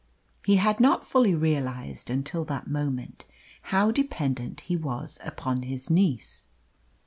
He had not fully realised until that moment how dependent he was upon his niece.